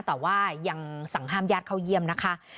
แต่ว่ายังสั่งห้ามญาติเข้าเยี่ยมนะคะ